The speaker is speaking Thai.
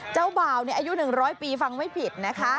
เจ้าบ่าวอายุ๑๐๐ปีฟังไม่ผิดนะคะ